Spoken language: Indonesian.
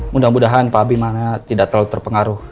mudah mudahan pak bima tidak terlalu terpengaruh